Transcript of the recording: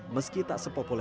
meski tak sepopulasi